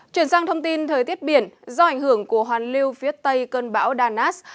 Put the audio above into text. chuyển sang thông tin thời tiết biển do ảnh hưởng của hoàn lưu phía tây cơn bão danas